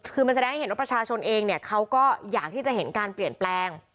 คือมันแสดงให้เห็นว่าประชาชนเองเนี่ยเขาก็อยากที่จะเห็นการเปลี่ยนแปลง